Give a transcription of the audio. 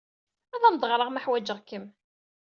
Ad am-d-ɣreɣ, ma hwajeɣ-kem.